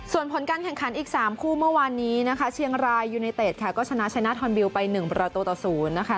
ส่วนผลการแข่งขันอีก๓คู่เมื่อวานนี้นะคะเชียงรายยูเนเต็ดค่ะก็ชนะชนะทอนบิลไป๑ประตูต่อ๐นะคะ